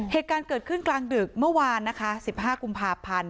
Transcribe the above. เหตุการณ์เกิดขึ้นกลางดึกเมื่อวานนะคะ๑๕กุมภาพันธ์